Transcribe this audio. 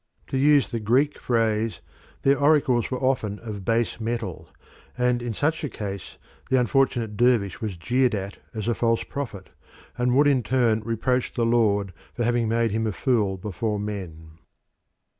To use the Greek phrase, their oracles were often of base metal, and in such a case the unfortunate dervish was jeered at as a false prophet, and would in his turn reproach the Lord for having made him a fool before men.